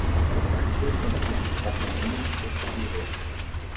Artur Francisco Saturnino de Figueiredo